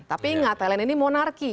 tapi ingat thailand ini monarki